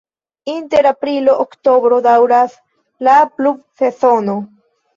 Inter aprilo-oktobro daŭras la pluvsezono.